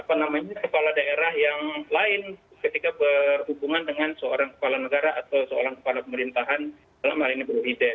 apa namanya kepala daerah yang lain ketika berhubungan dengan seorang kepala negara atau seorang kepala pemerintahan dalam hal ini presiden